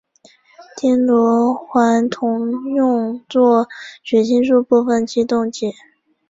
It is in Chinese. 丁螺环酮用作血清素部分激动剂。